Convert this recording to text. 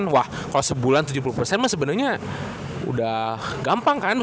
wah kalo sebulan tujuh puluh sebenernya udah gampang kan